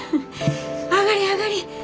上がり上がり。